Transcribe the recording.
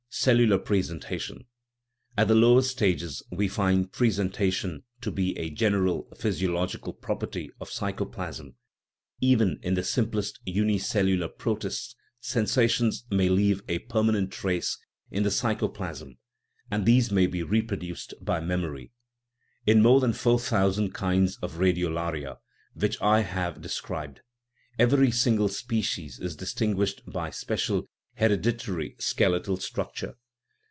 Cellular presentation. At the lowest stages we find presentation to be a general physiological property of psychoplasm ; even in the simplest unicellular protist 117 THE RIDDLE OF THE UNIVERSE sensations may leave a permanent trace in the psycho plasm, and these may be reproduced by memory. In more than four thousand kinds of radiolaria, which I have described, every single species is distinguished by special, hereditary skeletal structure.